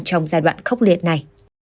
trong giai đoạn khốc liệt này